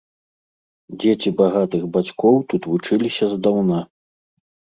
Дзеці багатых бацькоў тут вучыліся здаўна.